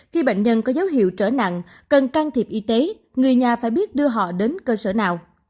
khi bệnh nhân có dấu hiệu trở nặng cần can thiệp y tế người nhà phải biết đưa họ đến cơ sở nào